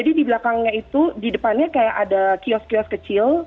di belakangnya itu di depannya kayak ada kios kios kecil